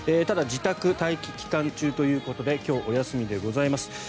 ただ自宅待機期間中ということで今日、お休みでございます。